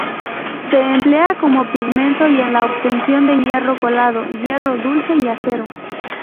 Se emplea como pigmento y en la obtención de hierro colado, hierro dulce y acero.